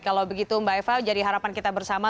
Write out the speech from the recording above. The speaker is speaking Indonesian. kalau begitu mbak eva jadi harapan kita bersama